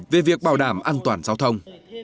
về việc bảo đảm an toàn giao thông